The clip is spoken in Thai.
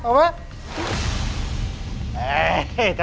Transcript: เฮ้ยก็ได้นะเอาไหม